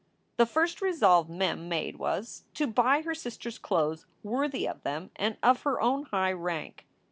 The first resolve Mem made was to buy her sisters clothes worthy of them and of her own high rank.